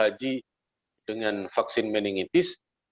haji dengan vaksin meningitis